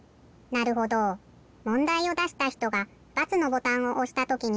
なるほどもんだいをだしたひとが×のボタンをおしたときに。